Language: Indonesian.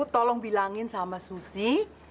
tolong beritahu susi